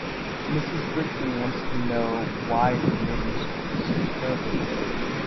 Mrs Brickman wants to know why her rating score is so terribly low.